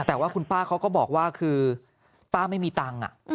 แต่ว่าคุณป้าเขาก็บอกว่าคือป้าไม่มีตังค์